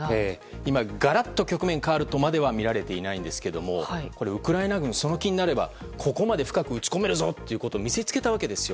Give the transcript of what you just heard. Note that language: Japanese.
今、がらっと局面が変わるとまではみられていませんがウクライナ軍はその気になればここまで深く撃ち込めるぞということを見せつけたわけですよ。